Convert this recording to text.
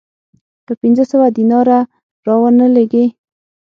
که پنځه سوه دیناره را ونه لېږې